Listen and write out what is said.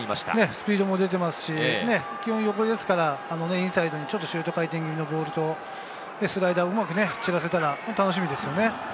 スピードも出ていますし、基本、横ですからインサイドにシュート回転気味のボールとスライダーも散らせたら楽しみですよね。